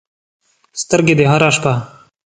سترګې دې هره شپه